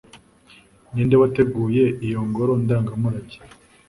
ninde wateguye iyo ngoro ndangamurage